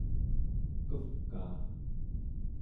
kevkaa